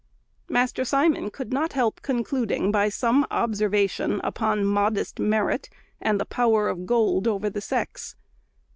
Master Simon could not help concluding by some observation upon "modest merit," and the power of gold over the sex.